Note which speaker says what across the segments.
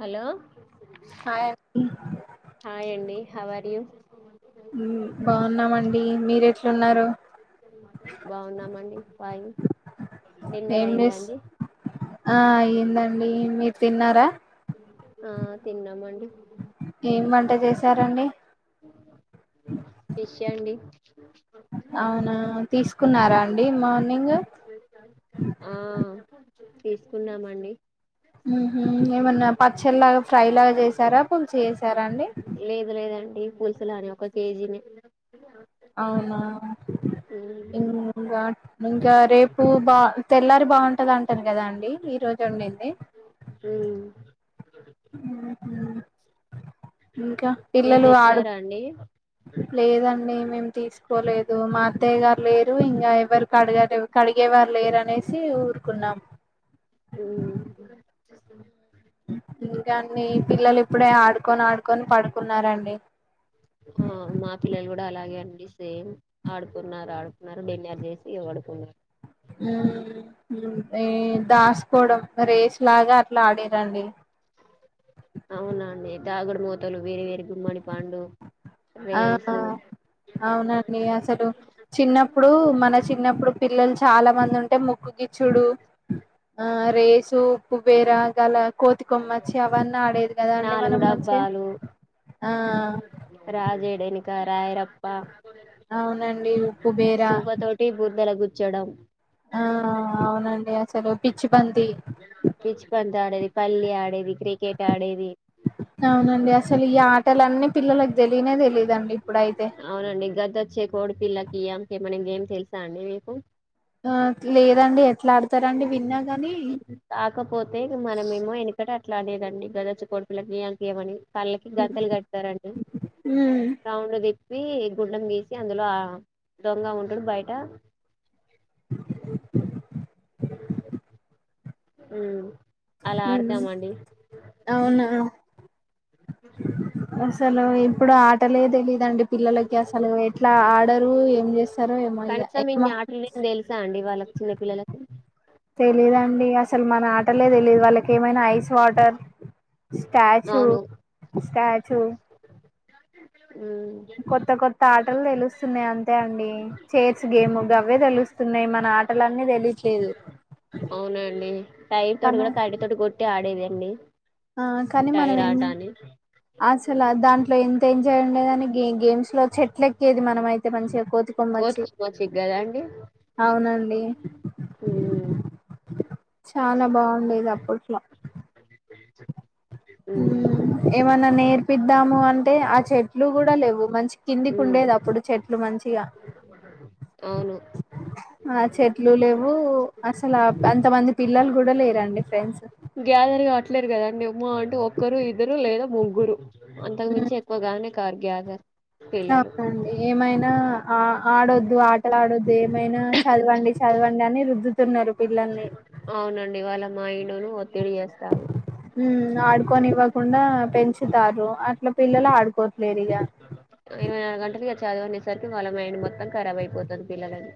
Speaker 1: Hello
Speaker 2: hi అండి
Speaker 1: how are you?
Speaker 2: మీరెట్లున్నరు?
Speaker 1: బాగున్నామండి ఫైన్ డిన్నర్ అయిందా
Speaker 2: ఏంజేస్
Speaker 1: అండి
Speaker 2: ఆ అయిందం డి మీరు తిన్నారా?
Speaker 1: ఆ తిన్నామండి.
Speaker 2: ఏం వంట చేసారండి?
Speaker 1: ఫిష్ అండి. [inaudible]
Speaker 2: అవునా, తీసుకున్నారా అండి మార్నింగ్?
Speaker 1: ఆ తీసుకున్నామండి.
Speaker 2: ఉమ్ హు, ఏమన్నా పచ్చళ్లాగా, ఫ్రై లాగా చేసారా పుల్సు చేసారా అండి?
Speaker 1: డి పులుసులు లానె ఒక కేజీనే.
Speaker 2: అవునా,
Speaker 1: ఉమ్
Speaker 2: ఇమ్ ఇంగా ఇంకా రేపు బా తెల్లారి బావుంట్ ా అంటారు కదా అండి ఈ రోజు ఉండింది
Speaker 1: ఉమ్
Speaker 2: ఇంకా
Speaker 1: మీరు
Speaker 2: పిల్లలు ఆడు
Speaker 1: తెచ్చారా అండి
Speaker 2: లేదండి మేం తీసుకోలేదు మా అత్తయ్య గారు లేరు ఇంకా ఎవరు కడగ కడిగేవారు లేరునే సి ఊరుకున్నాం
Speaker 1: అ
Speaker 2: ఇంకా అండి పిల్లలు ఇప్పుడే ఆడు పడుకొని ఆడుకొని పడుకున్నారంండి
Speaker 1: ఆ మా పిల్లలు కూడా అలాగే అండి సేమ్ ఆడుకున్నారు ఆడుకున్నారు బడెలిర్ చేసి ఆడుకున్నారు
Speaker 2: ఉ దాసుకోవడం రేస్ లాగా అట్లా ఆడిరండి
Speaker 1: అవునా అండి దాగుడు మోతలు వేరే వేరే గుమ్మడి పాండు
Speaker 2: ఆ అవునండి అసలు చిన్నప్పుడు మన చిన్నప్పుడు పిల్లలు చాలా మంది ఉంటే ముొగ్గు గచుడు ఆ రేస్ సూపు వేరా గలా కోతి కొమ్మచ్చి అవన్నీ ఆడేది కదా అండి
Speaker 1: నాలుగు
Speaker 2: మనం మంచిగా
Speaker 1: డబ్బాలు
Speaker 2: ఆ
Speaker 1: అడని కాారయరప్పా
Speaker 2: అవునండి ఉప్పు బేర
Speaker 1: పచ్చడం
Speaker 2: ఆ అవునండి అసలు పిచ్చిబంది
Speaker 1: డేది పల్లి ఆడేది క్రికెట్ ఆడేది
Speaker 2: అవునండి అసలు ఈ ఆటలన్నీ పిల్లల
Speaker 1: అవునండి గద్దచ్చ కోడిపిల్లకియ అే మనం ఏం తెలుసా అండి మీకు
Speaker 2: ఆ లేదండి ఎట్లా ఆడతారంండి విన్నా కాని
Speaker 1: ఇట్లా లేదండి గదచ్చ కొడుపులకి అంకేమని కళ్ళకి గంతలు కడతారంండి
Speaker 2: హ్మ్
Speaker 1: రావుణ దీప్ తప్పి గుండం గీసి అందులో దొంగ ఉంటాడు బయట ఓ ఉ
Speaker 2: ఉ అవునా
Speaker 1: ఇ [unintelligible]
Speaker 2: అసలు ఇప్పుడు ఆటలే తెలిదుండి పిల్లలకి అసలు ఎట్లా ఆడరు ఏం చేస్తారు ఏమో ఇక
Speaker 1: కనీసం
Speaker 2: ఏమో
Speaker 1: ఇన్ని ఆటలు నేను తెలుసా అండి వాళ్ళకి చిన్న పిల్లలకు
Speaker 2: తెలిదండి అసలు మన ఆటలే తెలియదు వాళ్ళకి ఏమైనా ఐస్ వాటర్ స్టాచూ
Speaker 1: అవును
Speaker 2: స్టాచూ
Speaker 1: ఉమ్
Speaker 2: కొత్త కొత్త ఆటలు తెలుస్తున్నాయి అంతే అండి చేర్స్ గేమ్ అవే తెలుస్తుయి న్నాయి మన ఆటలన్నీ తెలియట్లేదు
Speaker 1: అవునండి టైం తోటి
Speaker 2: కానీ
Speaker 1: కూడా కరీ తోటి కొట్టి ఆడేది అడి
Speaker 2: ఆ కానీ మనం ఏం అసలు దాంట్లో ఎంత ఎంజాయ్ ఉండేదని గే గేమ్స్ లో చెట్ల ఎక్కేది మనమ అయితే మంచిగా కొమ్మచ్చి
Speaker 1: కోతుకుమచ్చగ్ కదా అండి
Speaker 2: అవునండి చాలా బాగుండేది అప్పట్లో
Speaker 1: ఉమ్
Speaker 2: ఏమన్నా నేర్పిద్దాము అంటే ఆ చెట్టు చెట్లు కూడా లేవు మంచి కిందికి
Speaker 1: ఉమ్
Speaker 2: ఉండేది అప్పుడు చెట్లు మంచిగా
Speaker 1: అవును
Speaker 2: ఆ చెట్ ఇల్లు లేవు అసలు అంతమంది పిల్లలు కూడా లేరండి ఫ్రెండ్స్
Speaker 1: గ్యాదేర్ కాట్లేదు కదాండి అంటే ఒక్కరు ఇద్దరు లేదా ముగ్గురు అంతకు మించి ఎక్కువగానే కగ సర
Speaker 2: అవునండి ఏమైనా ఆ ఆడొద్దు ఆటలు ఆడొద్దు ఏమైనా చదవండి చదవండి అని రుద్దుతున్నారు పిల్లల్ని
Speaker 1: అవునండి వాళ్ళ మా ఇండును ఒత్తిడి చేస్తాను
Speaker 2: ఉ ఆడుకొనివ్వకుండా పెంచుతారు అట్లా పిల్లలు ఆడుకోట్లేరు ఇక
Speaker 1: ఇరవై నాలుగు గంటలకి చదివం సార్ వాళ్ళ మైండ్ మొత్తం రాబ్ అయిపోతుంది పిల్లలని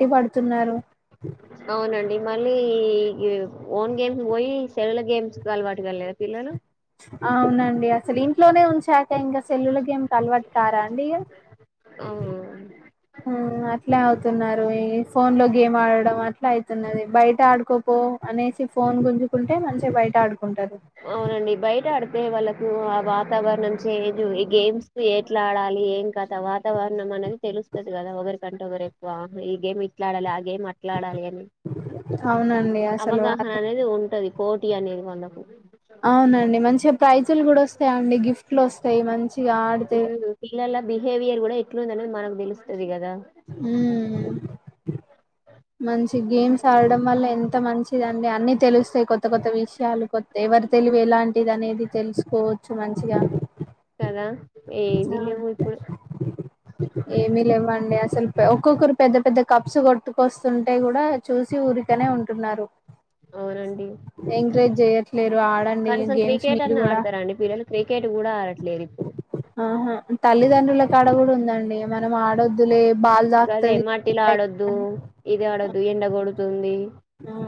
Speaker 2: ఇట్టి పడుతున్నారు
Speaker 1: అవునండి మళ్ళీ ఓన్ గేమ్స్ పోయి సెలల గేమ్స్ అలవాటు కలేదా పిల్లలు
Speaker 2: అవునండి అసలు ఇంట్లోనే ఉంచా ఇంకా ఇంకా సెల్లులకి ఏం త అలవాటు కారా అండి
Speaker 1: ఆ
Speaker 2: అట్లే అవుతున్నారు ఈ ఫోన్ లో గేమ్ ఆడడం అట్లా అవుతున్నది బయట ఆడుకోపో అనేసి ఫోన్ గుంజుకుంటే మంచిగా బయట ఆడుకో
Speaker 1: అవునండి బయట ఆడుతు అదే వాళ్ళకు ఆ వాతావరణం చేంజ్ ఈ గేమ్స్ కు ఎట్లా ఆడాలి ఏం కద వాతావరణం అనేది తెలుస్తుంది కదా ఒకరికంటే ఒకరు ఎక్కువ ఈ గేమ్ ఇట్లా ఆడాలి ే మాట్లాడాలి అని
Speaker 2: అవునండి అసలు
Speaker 1: అవగాహన అనేది ఉంటది పోటీ అనేది కొనకు
Speaker 2: అవునండి మంచిగా ప్రైజులు కూడా వస్తాయి అండి గిఫ్ట్లు వస్తాయి మంచిగా ఆడితేా
Speaker 1: ఉమ్, పిల్లల బిహేవియర్ కూడా ఎట్లుంది అనేది మనకు తెలుస్తుంది కదా
Speaker 2: ఆ మంచి గేమ్స్
Speaker 1: ఉమ్,
Speaker 2: ఆడడం వల్ల ఎంత మంచి దండి అన్ని తెలుస్తాయి కొత్త కొత్త విషయాలు కొత్త ఎవరు తెలివి ఎలాంటిది అనేది తెలుసుకోవచ్చు మంచిగా
Speaker 1: కదా ఏవి
Speaker 2: అవున
Speaker 1: లేవు ఇప్పుడు
Speaker 2: ఏమిీ లేవండి అసలు ఒక్కొక్కరు పెద్ద పెద్ద కప్స్ కొట్టు బస్ ంటాయి కూడా చూసి ఊరి ఇనే ఉంటున్నారు
Speaker 1: అవునండి
Speaker 2: ఎంకరేజ్ చేయట్లేరు ఆడండి
Speaker 1: కనీసం
Speaker 2: గేమ్స్
Speaker 1: క్రికెట్
Speaker 2: మీరు
Speaker 1: అని
Speaker 2: కూడా
Speaker 1: ఆడతారంండి పిలల క్రికెట్ కూడా ఆడట్లేదు
Speaker 2: ఆహా తల్లిదండ్రుల కడ కూడా ఉందండి అే మనం ఆడొద్దులే బాల్
Speaker 1: గదే
Speaker 2: తాకుతుది
Speaker 1: మట్టిలో సంది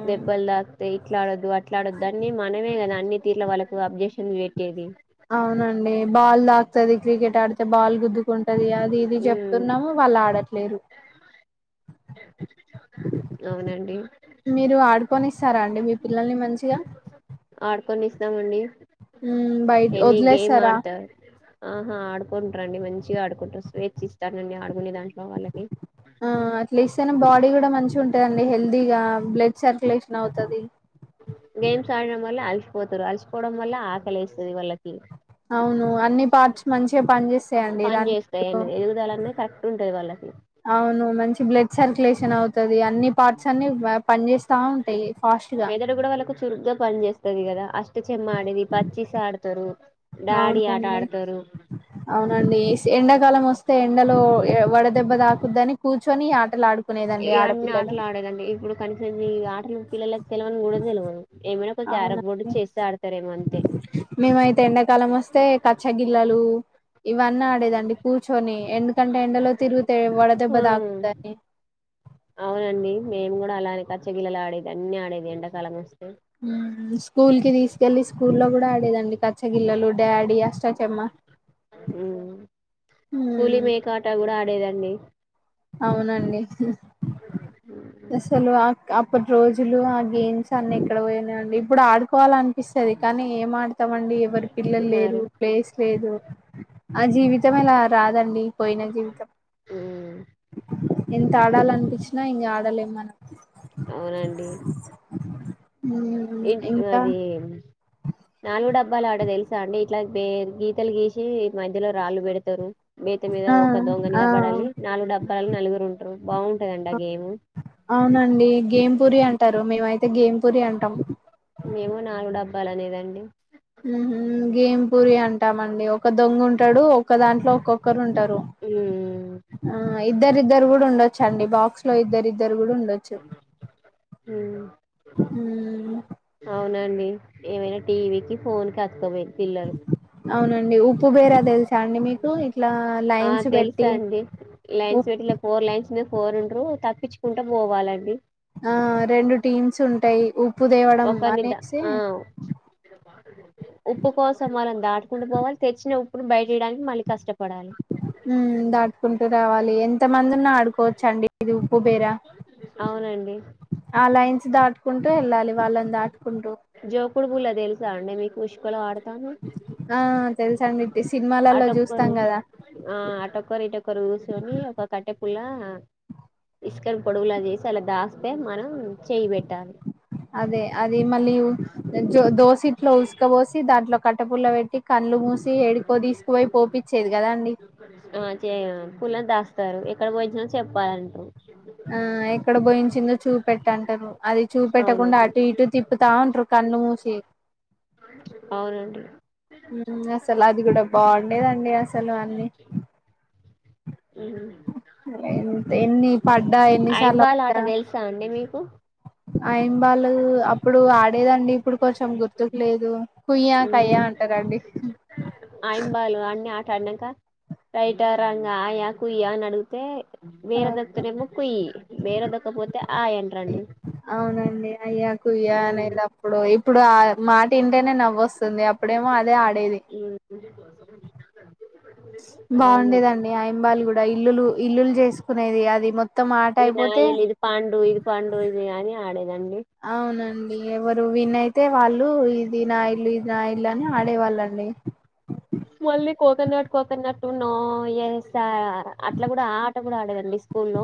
Speaker 1: దబ్బల్ ద ఇట్లా ఆడద్దు అట్లాడొదు అన్ని మనమే కదా అన్ని తీరుల వాళ్ళకు అబ్జెక్షన్ పెట్
Speaker 2: అవునండి బాల్ దా ది క్రికెట్ ఆడితే బాల్ గుద్దుకుంటది అది ఇది
Speaker 1: ఉమ్
Speaker 2: చెప్తున్నాము వాళ్ళు ఆడట్లేరు
Speaker 1: అవునండి
Speaker 2: మీరు ఆడుకొని ఇస్తారా అండి మీ పిల్లల్ని మంచిగా
Speaker 1: తమండి
Speaker 2: ఉ బయ వదిలేస్తారా
Speaker 1: ఆహా ఆడుకుంటారుండి మంచిగా ఆడుకుంటారు స్వేచ్ఛ ఇస్తానండి ఆడుకునేదాం
Speaker 2: ఆ అట్లే బాడ కూడా మంచి ఉంటుందిండి హెల్త్ ముందిగా బ్లడ్ సర్క్యులేషన్ అవుతుది
Speaker 1: గేమ్స్ ఆడన మళ అల్స పోతారు అలిసిపోవడం వల్ల ఆకలి వస్తుంది వాళ్ళకి
Speaker 2: అవును అన్ని పార్ట్స్ మంచిగా పని చేస్తాయంండి
Speaker 1: పని
Speaker 2: రన్న
Speaker 1: చేస్తాయి అనేది ఎదుగుదల అనేది కరెక్ట్ ఉంటది వాళ్ళకి
Speaker 2: అవును మంచి బ్లడ్ సర్కు్యులేషన్ [unintelligible] అన్ని పార్ట్స్ అన్ని పని చేేస్త తా ఉంటాయి ఫాస్ట్ గా
Speaker 1: మెదడు కూడా వాళ్ళకు చురుగ్గా పనిచేస్తుంది కదా అ చెమ్మాడది పచ్చిస్ ఆడతారు డాడీ ఆట
Speaker 2: అవునండి
Speaker 1: ఆడతారు
Speaker 2: అవునండి ఎండాకాలం వస్తే ఎండలో వడదెబ్బ తాకుద్దని కూర్చొని ఆ
Speaker 1: ఇవన్నిీ ఆటలు ఆడేదండి ఇప్పుడు కనీసం ఈ ఆటలు పిల్లలకి తెలివని కూడా తెలువదు ఏమైనా ఒక క్యారం బోర్డు
Speaker 2: అవునండి
Speaker 1: చెస్ ఆడతారేమో అంతే
Speaker 2: మేమైతే ఎండాకాలం వస్తే కచ్చాగిిల్లాలు [unintelligible] ఇవన్న ఆడేదండి కూర్చొని ఎందుకంటే ఎండలో తిరుగితే వడదెబ్బ
Speaker 1: ఆ
Speaker 2: తాకుదని
Speaker 1: అవునండి మేము కూడా అలానే కచ్చగిలలా ఆడేది అన్ని ఆడేది ఎండాకాలం వస్తే
Speaker 2: [unintelligible] స్కూల్ కి తీసుకెళ్ళి స్కూల్లో కూడా ఆడేదండి కచ్చగిల్లలు డాడీ అష్టాచమ్మ
Speaker 1: ఉమ్ అడేదండి
Speaker 2: అవునండి అస్సలు అప్పటి రోజులు ఆ గేమ్స్ అన్ని ఇక్కడ పోయినాండి ఇప్పుడు ఆడుకోవాల అనిపిస్తుది కానీ ఏం ఆడుతాంండి ఎవరు పిల్లలు లేరు
Speaker 1: మరి
Speaker 2: ప్లేస్ లేదు ఆ జీవితం ఇలా రాదండి పోయిన జీవితం
Speaker 1: ఉమ్
Speaker 2: ఎంత ఆడాల అనిపించినా ఇంకా ఆడలేం మనం
Speaker 1: అవునండి ఇంటి
Speaker 2: ఇంకా
Speaker 1: అది [unintelligible] డబ్బాలు ఆట తెలుసా అండి ఇట్లా గీతలు గీసి మధ్యలో రాళ్ళు పెడతారు మేత మీద
Speaker 2: ఆ
Speaker 1: ఒక దొంగ
Speaker 2: ఆ
Speaker 1: నిలబడాలి నాలుగు డబ్బని నలుగురు ఉంటారు బాగుంటదండి ఆ గేము
Speaker 2: మేము అయితే అయితే గేమ్ పూరి అంటాం
Speaker 1: బ్ లు అనేదండి
Speaker 2: గేం పూరి అంటామండి ఒక దొంగ ఉంటాడు ఒక్క దాంట్లో ఒక్కొక్కరు ఉంటారు
Speaker 1: ఉమ్
Speaker 2: ఆ ఇద్దరిద్దరు కూడా ఉండచ్చ చండి బాక్స్ లో ఇద్దరి ఇద్దరు కూడా ఉ మ్మ్
Speaker 1: అవునండి ఏమైనా టీవీ కి ఫోన్ కి అత్కపోయింది
Speaker 2: అవునండి ఉఊ
Speaker 1: ఆ
Speaker 2: లైన్స్ పెట్టి
Speaker 1: తెలుసా అండి
Speaker 2: ఉప్
Speaker 1: లైన్స్ పెట్లే ఫోర్ లైన్స్ మీద ఫోర్ ఉండ్ర తప్పించు ఉంట పోవాలండి
Speaker 2: టైప్పు
Speaker 1: ఒక నిద ఆ ఉప్పు కోసం అన దాటుకుం పోాల తెచ్చిన ఉప్పును బయటేయడానికి మళ్ళ కష్టప
Speaker 2: దాటుకుంటూ రావాలి ఎంత మంది ఉన్నా ఆడుకోవచ్చు అండి ఇది ఉప్పు బేర
Speaker 1: అవునండి
Speaker 2: అలా సిధట్కుం చట వెళ్ళాలి వాళ్ళ దాటుకుంటూ
Speaker 1: ఆడ
Speaker 2: ఆ తెలుసా అం
Speaker 1: అటొక్కరు ఆ అటొక్కరు ఇటొక్కరు కూర్సుొని ఒక కట్టె లా ఇసుకని పొడవులా చేసి అలా దాస్తే మనం చేయి పెట్టాలి
Speaker 2: అదే అది మళ్ళీో దోశ ఇట్లో ఉసుకపోసి దాంట్లో కట్టపుల్ల వెేట్టి కళ్ళు మూసి ఏడుకో తీసుకుపోయి పోపచ్చేది కదాండి
Speaker 1: పులను దాస్తారు ఎక్కడ పోయిచ్చినో చెప్పాలంటారు
Speaker 2: ఆ ఎక్కడ పోోయించిందో చూపెట్టంటారు అది
Speaker 1: అవును
Speaker 2: చూపెట్టకుండా అటు ఇటు తిప్పుతా ఉంటారు కళ్ళు మూసి
Speaker 1: అవునండి
Speaker 2: అసలు అది కూడా బాగుండేదండి అసలు సలు అన్నీ
Speaker 1: ఏను
Speaker 2: ఎన్ని పడ్డా ఎన్నిసార్లు పడ్డా
Speaker 1: తెలుసా అండి మీకు
Speaker 2: ఆయింబాలు అప్పుడు ఆడేదండి ఇప్పుడు కొంచెం గుర్తుకు లేదు కుయ్య
Speaker 1: మ్మ్.
Speaker 2: కయ్యా అంటారంండి
Speaker 1: అడాక రైట రంగా కుయ్యా అని అడిగితే వేర దత్తనేెమ్ము కుయి్యి వేరెదకపోతే ఆయంట్రండి
Speaker 2: అవునండి అయ్యా కుయ్యా అనేటప్పుడు ఇప్పుడు ఆ మాట ఇంటేనే నవ్వొస్తుంది అప్పుడేమో అదే ఆడేది
Speaker 1: మ్మ్. అవును
Speaker 2: బాగుండేదండి ఆయింబాలి కూడా ఇల్లులు ఇల్లులు చేసుకునేది అది మొత్తం ఆట
Speaker 1: ఇది
Speaker 2: అయిపోతే
Speaker 1: నాయిల్ ఇది పాండు ఇది పాండు ఇది అని ఆడ
Speaker 2: అవునండి ఎవరు విన్ై అతే వాళ్ళు ఇది నా ఇల్లు ఇది నా ఇల్లు అని ఆడేవాళ్ళండి
Speaker 1: మళ్ళీ కోకోనట్ కోకోనట్ నో ఎస్సా సార్ అట్లా కూడా ఆ ఆట కూడా ఆడేదండి స్కూల్ లో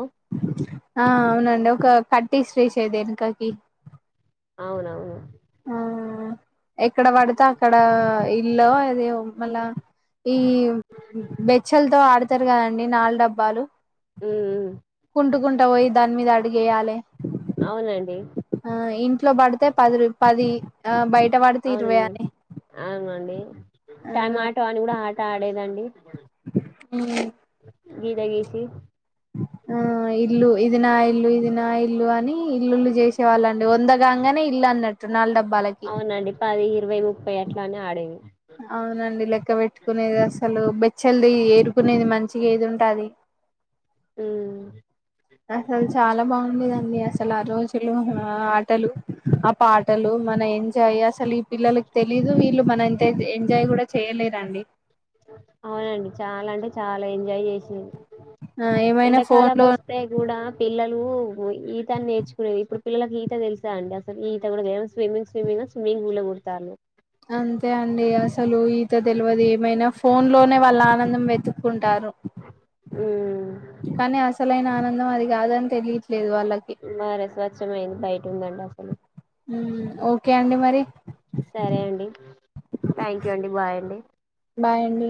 Speaker 2: కట్టి స్ట్రేచ్ ద వెనకాకి
Speaker 1: అవునవును
Speaker 2: ఆ ఎక్కడ పడితే అక్కడ ఇల్లు అదే మళ్ళా ఈ బెచ్చలతో ఆడు వస్తారు కదండి నాలుగు డబ్బాలు
Speaker 1: ఉం
Speaker 2: ఉంటుకుంటా పోయి దాని మీద అడిగేయాలి
Speaker 1: అవునండి
Speaker 2: ఆ ఇంట్లో పడితే పది పది ఆ బయట పడితే
Speaker 1: అవునండి
Speaker 2: ఇరవై అని
Speaker 1: అవునండి టైమాట అని కూడా ఆ తాడేదండి
Speaker 2: ఆ
Speaker 1: గీత గీసి
Speaker 2: ఆ ఇల్లు ఇది నా ఇల్లు ఇది నా ఇల్లు అని ఇల్లులు చేసే వాళ్ళండి వందగాగానే ఇల్లు అన్నట్టు నాలుగు డబ్బు
Speaker 1: అవునండి పది ఇరవై ముప్పై అట్ల అనే ఆడేవి
Speaker 2: అవునండి లెక్క పెట్టుకునేది అసలు బెచ్చల్ది ఏరుకునేది మంచిగా ఏది ఉంటుది
Speaker 1: అ
Speaker 2: అసలు చాలా బాగు అదాన్ని అసలు ఆ రోజులు ఆటలు పాటలు మన ఏం ఎాయ్ అస ఈ పిల్లలకి తెలీదు వీళ్ళు మనంంత ఎంజాయ్ కూడా చేయలేరండి
Speaker 1: అవునండి చాలా అంటే చాలా ఎంజాయ్ చేసింది
Speaker 2: ఆ ఏమైనా ఫోన్
Speaker 1: ఎండాకాలం
Speaker 2: లో
Speaker 1: వస్తే కూడా పిల్లలు ఈతా నేర్చునేది ఇప్పుడు పిల్లలకి ఈత తెలుసా అండి అసలు ఈత కూడా స్విమ్మింగ్ స్విమ్మింగ్ స్విమ్మింగ్ పూల్ లో దుకుతానర్
Speaker 2: అంతే అండి అసలు ఈత తెలివదు ఏమైనా ఫోన్ లోనే వాళ్ళ ఆనందం వెతుకుం కానీ అసలైన ఆనందం అది కాదని తెలియట్లేదు వాళ్ళకి
Speaker 1: అవు
Speaker 2: హ్మ్ ఓ
Speaker 1: సరే అండి థ్యాంక్ యూ అండి బాయ్ అండి
Speaker 2: బాయండి